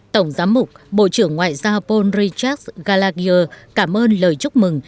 tổng giám mục bộ trưởng ngoại giao paul richard gallagher cảm ơn lời chúc mừng